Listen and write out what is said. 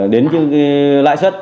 đến lãi xuất